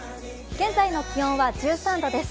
現在の気温は１３度です。